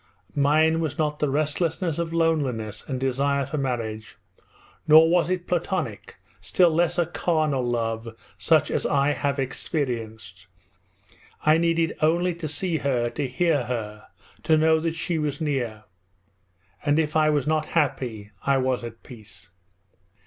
Mine was not the restlessness of loneliness and desire for marriage, nor was it platonic, still less a carnal love such as I have experienced. I needed only to see her, to hear her, to know that she was near and if I was not happy, I was at peace.